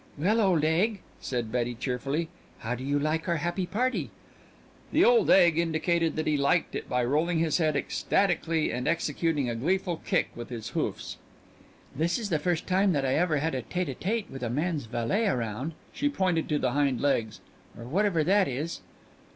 "Well, old egg," said Betty cheerfully, "how do you like our happy party?" The old egg indicated that he liked it by rolling his head ecstatically and executing a gleeful kick with his hoofs. "This is the first time that I ever had a tête à tête with a man's valet 'round" she pointed to the hind legs "or whatever that is."